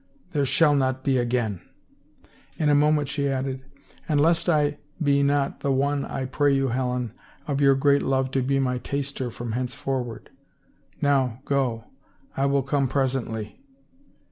" There shall not be again !*' In a moment she added, " And lest I be not the one I pray you, Helen, of your great love to be my taster from henceforward. Now, go. ... I will come pres ently."